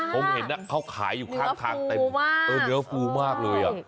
ผมเห็นเขาขายอยู่ข้างแต่เนื้อฟูมากเลย